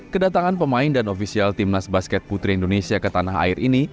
kedatangan pemain dan ofisial timnas basket putri indonesia ke tanah air ini